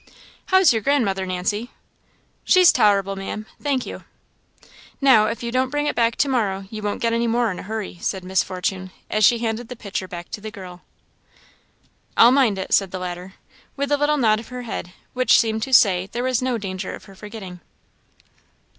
"How's your grandmother, Nancy?" "She's tolerable, Maam, thank you." "Now, if you don't bring it back to morrow, you won't get any more in a hurry," said Miss Fortune, as she handed the pitcher back to the girl. "I'll mind it," said the latter, with a little nod of her head, which seemed to say there was no danger of her forgetting.